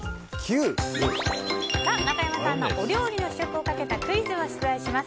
中山さんのお料理の試食をかけたクイズを出題します。